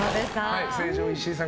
成城石井さん。